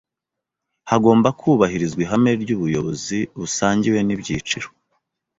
hagomba kubahirizwa ihame ry’ubuyobozi busangiwe n’ibyiciro